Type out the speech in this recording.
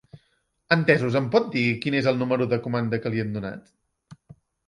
Entesos, em pot dir quin és el número de comanda que li hem donat?